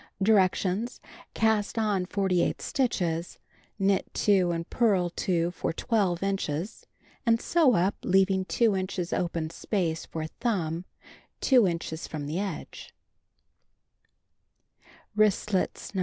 Directions: Cast on 48 stitches, knit 2 and purl 2 for 12 inches, and sew up leaving 2 inches open space for thumb 2 inches from the edge. WRISTLETS No.